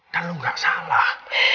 kan lu nggak salah